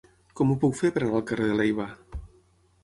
Com ho puc fer per anar al carrer de Leiva?